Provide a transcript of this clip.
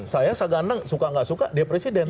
saya segandang suka nggak suka dia presiden